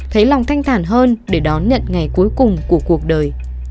thấy lòng thanh thản hơn để đón nhận ngày cuối cùng của cuộc đời